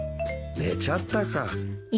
寝ちゃったか。